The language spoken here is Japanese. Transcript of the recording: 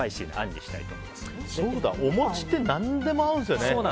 そうだ、お餅って何でも合うんですよね